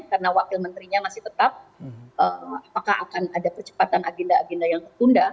karena wakil menterinya masih tetap apakah akan ada percepatan agenda agenda yang ketunda